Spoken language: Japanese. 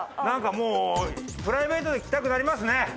なんかもうプライベートで来たくなりますね。